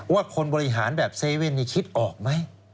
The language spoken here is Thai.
ว่าคนบริหารแบบเซเว่นคิดออกไหม